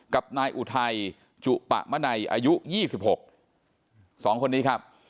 กับนายอุทัยจุปะมะในอายุยี่สิบหกสองคนนี้ครับ